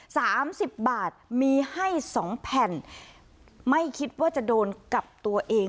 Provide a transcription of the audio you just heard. สามสิบบาทมีให้สองแผ่นไม่คิดว่าจะโดนกับตัวเอง